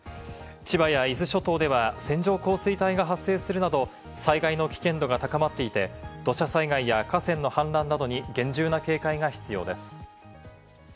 千葉や伊豆諸島では線状降水帯が発生するなど災害の危険度が高まっていて、土砂災害や河川の氾濫などに、厳重な警戒が必要です。